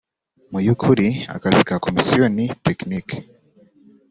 mu y’ukuri akazi ka Komisiyo ni tekinike